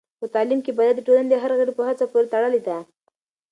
په تعلیم کې بریا د ټولنې د هر غړي په هڅه پورې تړلې ده.